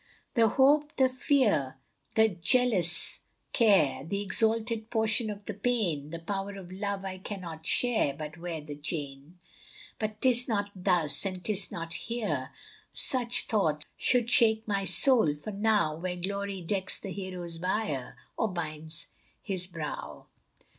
The hope, the fear, the jealous care, The exalted portion of the pain And power of love, I cannot share, But wear the chain. But 'tis not thus, and 'tis not here, Such thoughts should shake my soul nor now, Where glory decks the hero's bier, Or binds his brow.